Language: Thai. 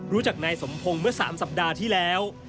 รู้จักนายสมพงศ์เมื่อ๓สัปดาห์ที่แล้ว